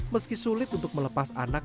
meski sulit untuk melepas anak